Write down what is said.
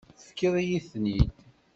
Tefkiḍ-iyi-ten-id.